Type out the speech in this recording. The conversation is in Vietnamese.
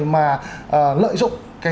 mà lợi dụng